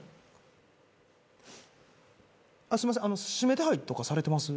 すいません指名手配とかされてます？